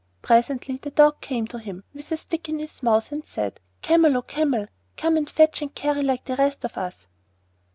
Presently the Dog came to him, with a stick in his mouth, and said, 'Camel, O Camel, come and fetch and carry like the rest of us.